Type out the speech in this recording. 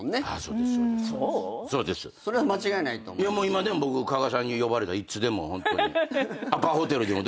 今でも僕加賀さんに呼ばれたらいつでもホントに。